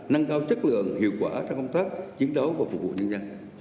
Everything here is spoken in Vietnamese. nâng cao chất lượng hiệu quả trong công tác chiến đấu và phục vụ nhân dân